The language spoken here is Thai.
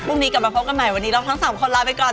กลับมาพบกันใหม่วันนี้เราทั้ง๓คนลาไปก่อน